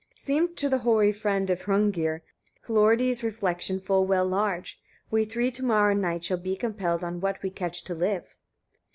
16. Seemed to the hoary friend of Hrungnir Hlorridi's refection full well large: "We three to morrow night shall be compelled on what we catch to live."